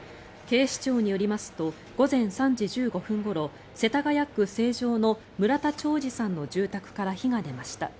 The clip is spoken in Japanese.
警視庁によりますと午前３時１５分ごろ世田谷区成城の村田兆治さんの住宅から火が出ました。